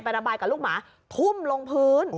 ระบายกับลูกหมาทุ่มลงพื้น